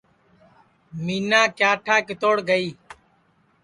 مِینا کِیاٹھا کِتوڑ گئی